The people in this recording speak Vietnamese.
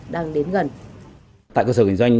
đang đến gần tại cơ sở kinh doanh